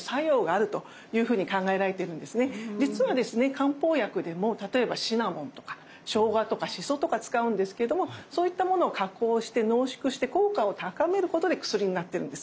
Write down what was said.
漢方薬でも例えばシナモンとかショウガとかシソとか使うんですけどもそういったものを加工して濃縮して効果を高めることで薬になってるんです。